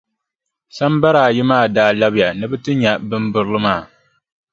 Sambara ayi maa daa labiya ni bɛ ti nya bimbirili maa.